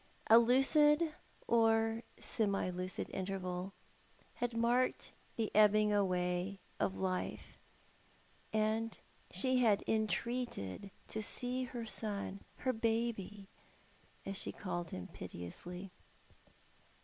A lucid, or semi lucid interval, had marked the ebbing away of life, and she had entreated to see her son, her baby, as she called him piteously.